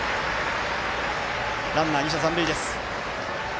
ランナー、２者残塁です。